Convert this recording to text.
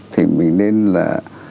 thì mình nên là